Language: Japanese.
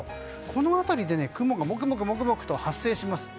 この辺りで雲がもくもくと発生します。